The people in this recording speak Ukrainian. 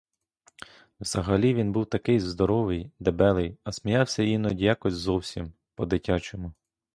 Взагалі він був такий здоровий, дебелий, а сміявся іноді якось зовсім по-дитячому.